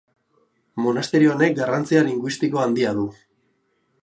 Monasterio honek garrantzia linguistiko handia du.